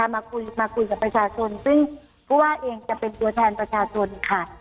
มาคุยมาคุยกับประชาชนซึ่งผู้ว่าเองจะเป็นตัวแทนประชาชนค่ะ